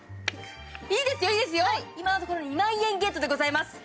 いいですよ、今のところ２万円ゲットでございます。